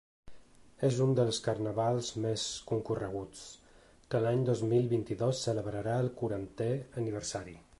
És un dels carnavals més concorreguts, que l’any dos mil vint-i-dos celebrarà el quarantè aniversari.